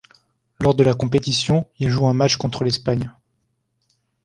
Lors de la compétition, il joue un match contre l'Espagne.